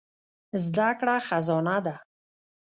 زده کړه خزانه ده.